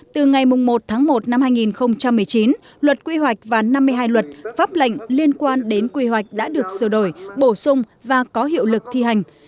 trong năm hai nghìn chín luật quy hoạch và năm mươi hai luật pháp lệnh liên quan đến quy hoạch đã được sửa đổi bổ sung và có hiệu lực thi hành